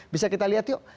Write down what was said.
bisa kita lihat yuk